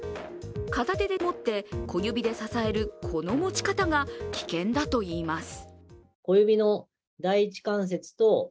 片手で持って、小指で支えるこの持ち方が危険だといいます。